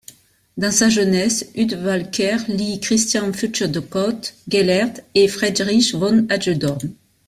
Dans sa jeunesse, Hudtwalcker lit Christian Fürchtegott Gellert et Friedrich von Hagedorn.